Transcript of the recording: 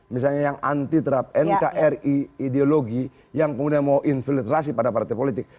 misalnya yang anti terap nkri ideologi yang kemudian mau infiltrasi pada partai politik